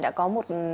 đã có một